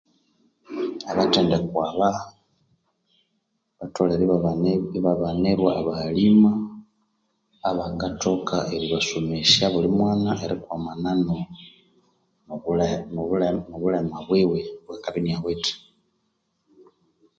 Abathendekwa aba batholere ibabani ibabanirwa abahalimu abangathoka eribasomesya buli mwana erikwamana no nobule nobulema bwiwe obwakabya inawithe